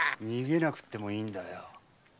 逃げなくってもいいんだよ。